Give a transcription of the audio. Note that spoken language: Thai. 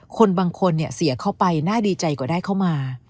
คนบางคนเสียเข้าไปน่าดีใจกว่าได้เข้ามา